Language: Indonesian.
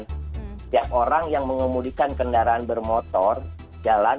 setiap orang yang mengemudikan kendaraan bermotor jalan